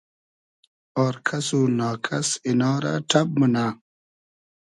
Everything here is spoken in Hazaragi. آر کئس و نا کئس اینا رۂ ݖئب مونۂ